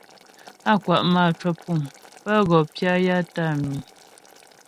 Á kwa' mâ cwəpuŋ pə wɔ pya ya tə́ á mǐ̃.